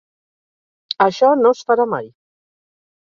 Això no es farà mai.